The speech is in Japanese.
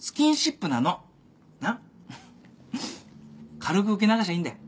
軽く受け流しゃいいんだよ。